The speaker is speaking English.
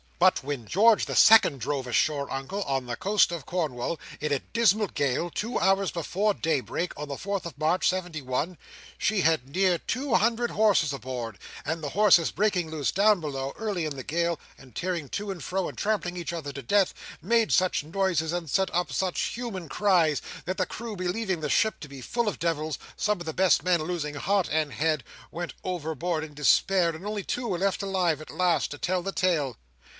"But when the George the Second drove ashore, Uncle, on the coast of Cornwall, in a dismal gale, two hours before daybreak, on the fourth of March, "seventy one, she had near two hundred horses aboard; and the horses breaking loose down below, early in the gale, and tearing to and fro, and trampling each other to death, made such noises, and set up such human cries, that the crew believing the ship to be full of devils, some of the best men, losing heart and head, went overboard in despair, and only two were left alive, at last, to tell the tale."